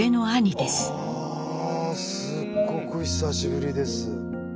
あすっごく久しぶりです。